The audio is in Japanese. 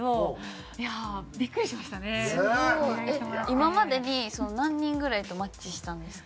今までに何人ぐらいとマッチしたんですか？